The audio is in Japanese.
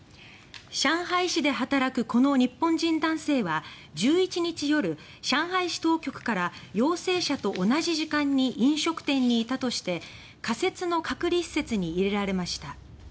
上海市で働くこの日本人男性は１１日夜、上海市当局から「陽性者と同じ時間に飲食店にいた」として仮設の隔離施設に入れられました。